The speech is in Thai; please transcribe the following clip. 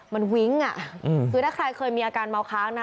มันวิ้งอ่ะคือถ้าใครเคยมีอาการเมาค้างนะ